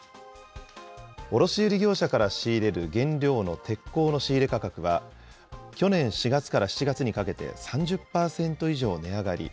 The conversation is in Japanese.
卸売り業者から仕入れる原料の鉄鋼の仕入れ価格は、去年４月から７月にかけて３０％以上値上がり。